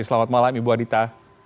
selamat malam ibu adita